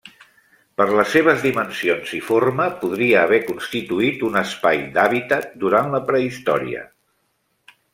Per les seves dimensions i forma, podria haver constituït un espai d'hàbitat durant la prehistòria.